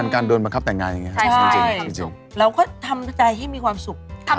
ครับต้องให้สุดเลือกหัวใจของเขาก่อน